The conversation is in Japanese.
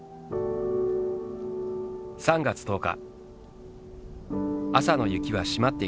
「３月１０日」